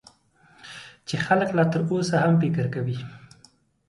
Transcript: چې خلک لا تر اوسه هم فکر کوي .